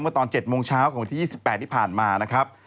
ตอน๗โมงเช้าของวันที่๒๘ที่ผ่านมานะครับ